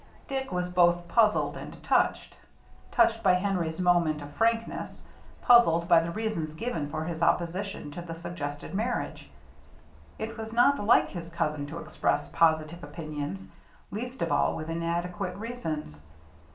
Dick was both puzzled and touched; touched by Henry's moment of frankness, puzzled by the reasons given for his opposition to the suggested marriage. It was not like his cousin to express positive opinions, least of all with inadequate reasons.